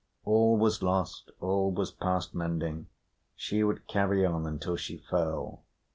All was lost, all was past mending, she would carry on until she fell.